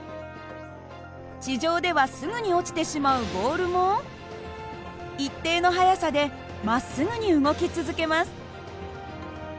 地上ではすぐに落ちてしまうボールも一定の速さでまっすぐに動き続けます。